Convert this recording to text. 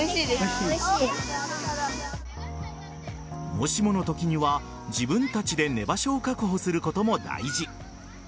もしもの時には自分たちで寝場所を確保することも大事。